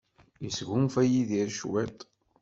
Yesgunfa Yidir cwiṭ?